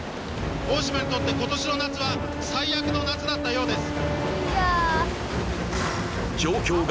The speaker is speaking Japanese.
大島にとって今年の夏は最悪の夏だったようです